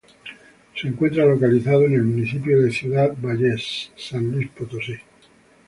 Se encuentra localizado en el municipio de Ciudad Valles, San Luis Potosí.